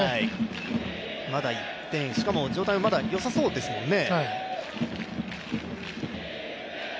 まだ１点、しかも状態はまだ良さそうですもんね。